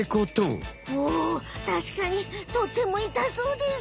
あたしかにとってもいたそうです。